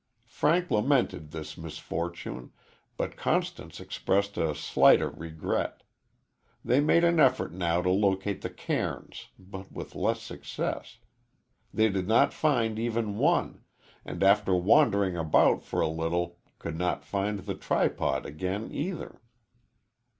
Frank lamented this misfortune, but Constance expressed a slighter regret. They made an effort now to locate the cairns, but with less success. They did not find even one, and after wandering about for a little could not find the tripod again, either.